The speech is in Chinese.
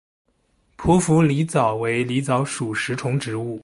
匍匐狸藻为狸藻属食虫植物。